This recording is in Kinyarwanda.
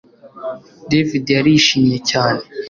David yarishimye cyane